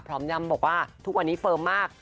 ยำบอกว่าทุกวันนี้เฟิร์มมาก